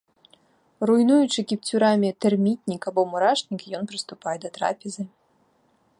Руйнуючы кіпцюрамі тэрмітнік або мурашнік, ён прыступае да трапезы.